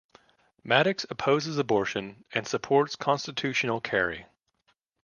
Maddox opposes abortion and supports constitutional carry.